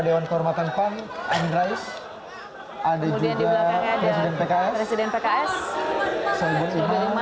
dewan kehormatan pan andrais ada juga dan pks pks